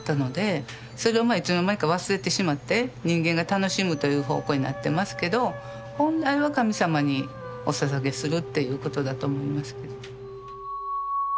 それをいつの間にか忘れてしまって人間が楽しむという方向になってますけど本来は神様におささげするということだと思いますけど。